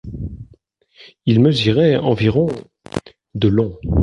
Il mesurait environ de long.